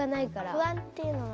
不安っていうのはある。